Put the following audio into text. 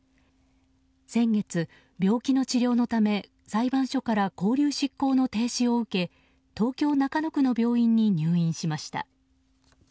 先月、病気の治療のため裁判所から勾留執行の停止を受け東京・中野区の病院に入院しました。